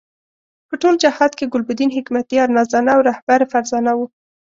په ټول جهاد کې ګلبدین حکمتیار نازدانه او رهبر فرزانه وو.